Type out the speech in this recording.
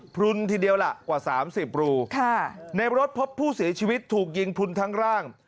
พลุนทีเดียวล่ะกว่า๓๐รูในรถพบผู้เสียชีวิตถูกยิงพลุนทั้งร่าง